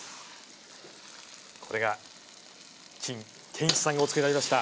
これが陳建一さんがおつくりになりました